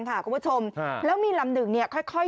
คุณผู้ชมแล้วมีลำหนึ่งเนี่ยค่อย